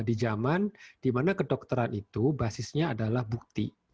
sekarang di zaman di mana kedokteran itu basisnya adalah bukti